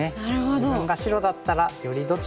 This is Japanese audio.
自分が白だったらよりどちらに打ちたいか。